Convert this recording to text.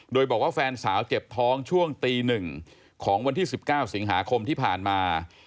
โดยบอกว่าแฟนสาวเจ็บท้องช่วงตี๑ของวันที่๑๙สิงหาคมที่ผ่านมา